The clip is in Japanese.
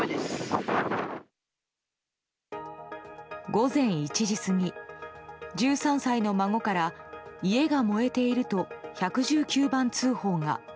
午前１時過ぎ、１３歳の孫から家が燃えていると１１９番通報が。